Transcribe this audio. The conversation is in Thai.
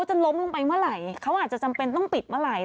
จะล้มลงไปเมื่อไหร่เขาอาจจะจำเป็นต้องปิดเมื่อไหร่